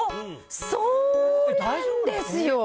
そうなんですよ。